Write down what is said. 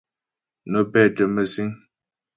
Nə́ pɛ́tə́ mə̂síŋ.